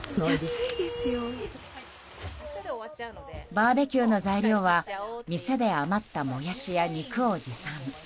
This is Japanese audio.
バーベキューの材料は店で余ったモヤシや肉を持参。